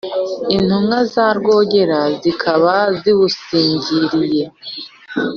intumwa za rwogera zikaba ziwusingiriye